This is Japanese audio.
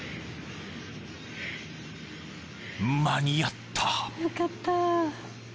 ［間に合った］